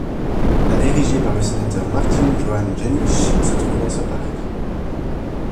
La érigée par le sénateur Martin Johann Jenisch se trouve dans ce parc.